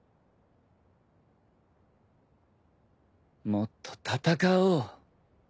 もっと戦おう。